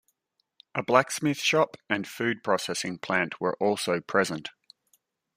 A blacksmith shop and food processing plant were also present.